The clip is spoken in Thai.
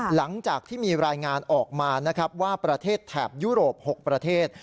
หลังจากที่มีรายงานออกมานะครับว่าประเทศแถบยุโรป๖ประเทศ